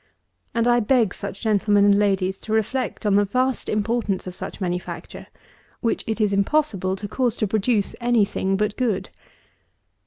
And I beg such gentlemen and ladies to reflect on the vast importance of such manufacture, which it is impossible to cause to produce any thing but good.